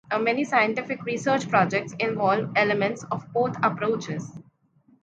Many scientific research projects involve elements of both approaches.